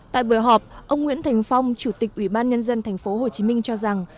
tại buổi họp ông nguyễn thành phong chủ tịch ủy ban nhân dân tp hcm cho rằng